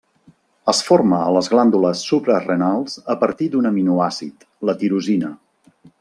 Es forma a les glàndules suprarenals a partir d’un aminoàcid, la tirosina.